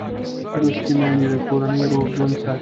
لوستې میندې د کورنۍ روغ ژوند ساتي.